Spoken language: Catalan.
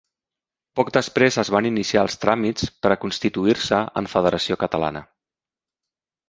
Poc després es van iniciar els tràmits per a constituir-se en federació catalana.